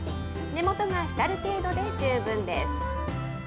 根元が浸る程度で十分です。